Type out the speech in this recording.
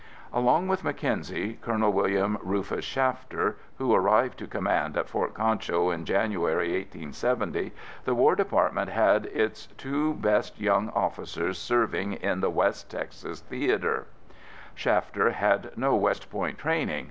Along with Mackenzie, Colonel William Rufus Shafter who arrived to command at Fort Concho in January, 1870, the War Department had its two best young officers serving in the West Texas theatre. Shafter had no West Point training.